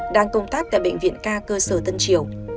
đang công tác tại bệnh viện ca cơ sở tân triều